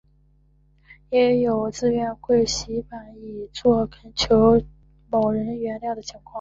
也有自愿跪洗衣板以作恳求某人原谅的情况。